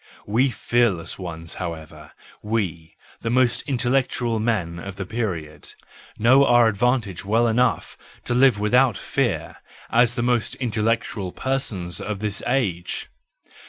We fearless ones, however, we, the most intellectual men of the period, know our advantage well enough to live without fear as the most intellectual persons of this age.